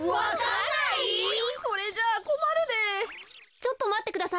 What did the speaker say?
ちょっとまってください。